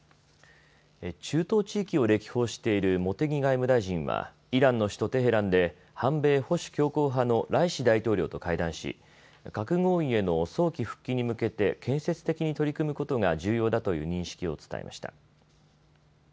中東地域を歴訪している茂木外務大臣はイランの首都テヘランで反米・保守強硬派のライシ大統領と会談し核合意への早期復帰に向けて建設的に取り組むことが重要だという認識を伝えました。